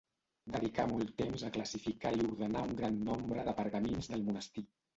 Dedicà molt temps a classificar i ordenar un gran nombre de pergamins del monestir.